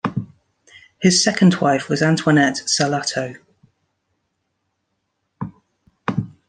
His second wife was Antoinette Salatto.